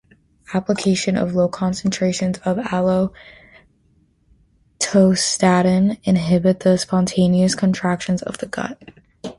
Application of low concentrations of Allatostatin inhibit the spontaneous contractions of the gut.